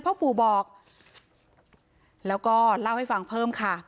พ่อปู่บอกแล้วก็เล่าให้ฟังเพิ่มค่ะ